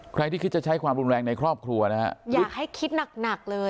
ใครที่คิดจะใช้ความรุนแรงในครอบครัวนะฮะอยากให้คิดหนักหนักเลย